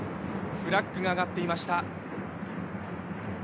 フラッグが上がっていました。